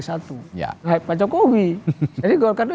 satu pak jokowi jadi golkar itu